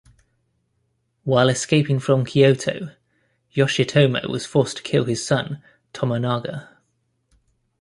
While escaping from Kyoto, Yoshitomo was forced to kill his son Tomonaga.